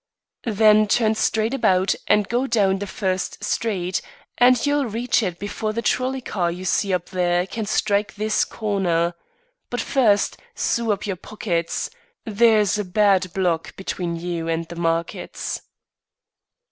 "Then turn straight about and go down the first street, and you'll reach it before the trolley car you see up there can strike this corner. But first, sew up your pockets. There's a bad block between you and the markets."